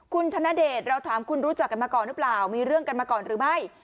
คุณธนเดชเราถามคุณรู้จักกันมาก่อนหรือเปล่ามีเรื่องกันมาก่อนหรือไม่